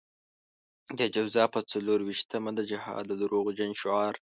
د جوزا په څلور وېشتمه د جهاد د دروغجن شعار.